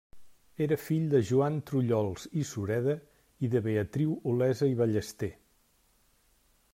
Era fill de Joan Trullols i Sureda i de Beatriu Olesa i Ballester.